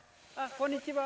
こんにちは。